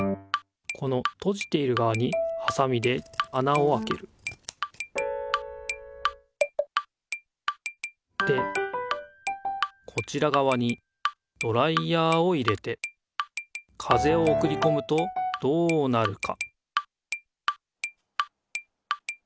このとじているがわにはさみであなをあけるでこちらがわにドライヤーを入れて風をおくりこむとどうなるか？